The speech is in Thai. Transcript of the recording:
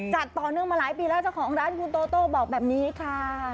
จัดต่อเนื่องมาหลายปีแล้วเจ้าของร้านคุณโตโต้บอกแบบนี้ค่ะ